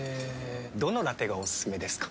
どのラテがおすすめですか？